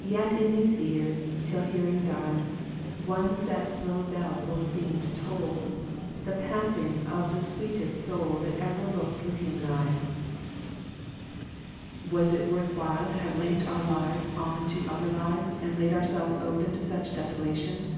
'*Yet in these ears, till hearing diM, One set slow bell will seem to toll. The passing of the sweetest soul That ever looked with human eym." 120 Digitized by VjOOQIC THE ECLIPSE OF FRIENDSHIP Was it worth while to have linked our lives on to other lives, and laid ourselves open to such desolation